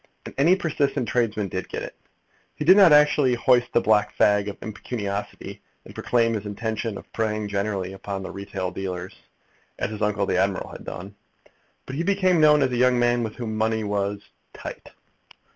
And any persistent tradesman did get it. He did not actually hoist the black flag of impecuniosity, and proclaim his intention of preying generally upon the retail dealers, as his uncle the admiral had done. But he became known as a young man with whom money was "tight."